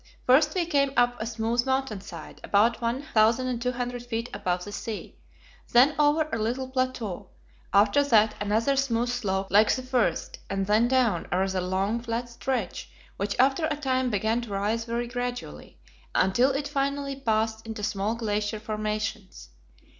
First we came up a smooth mountain side, about 1,200 feet above the sea, then over a little plateau; after that another smooth slope like the first, and then down a rather long, flat stretch, which after a time began to rise very gradually, until it finally passed into small glacier formations.